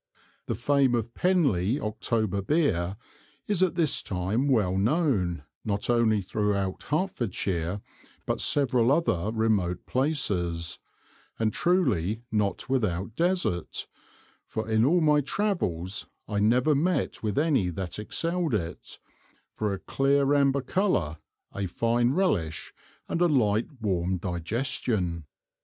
The Fame of Penly October Beer is at this time well known not only throughout Hertfordshire, but several other remote Places, and truly not without desert, for in all my Travels I never met with any that excell'd it, for a clear amber Colour, a fine relish, and a light warm digestion.